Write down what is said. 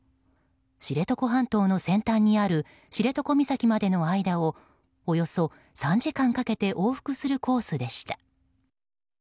知床半島の先端にある知床岬までの間をおよそ３時間かけて往復するコースでした。